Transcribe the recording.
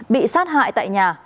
bị sát hại tại nhà